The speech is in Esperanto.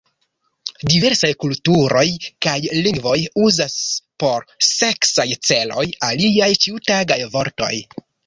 Diversaj kulturoj kaj lingvoj uzas por seksaj celoj aliaj ĉiutagaj vortoj.